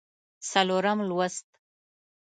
څلورم لوست